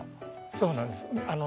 そうなんです。